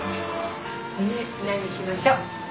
何にしましょう？